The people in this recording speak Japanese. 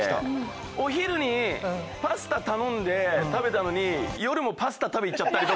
お昼にパスタ頼んで食べたのに夜もパスタ食べ行っちゃったり。